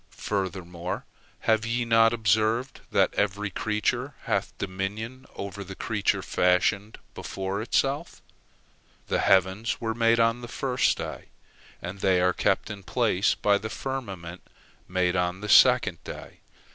Furthermore, have ye not observed that every creature hath dominion over the creature fashioned before itself? The heavens were made on the first day, and they are kept in place by the firmament made on the second day.